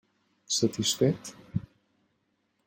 Satisfet?